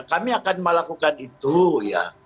kami akan melakukan itu ya